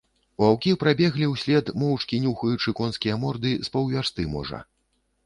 Ваўкі прабеглі ўслед, моўчкі нюхаючы конскія морды, з паўвярсты, можа.